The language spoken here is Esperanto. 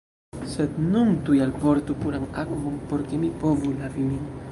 Sed nun tuj alportu puran akvon, por ke mi povu lavi min.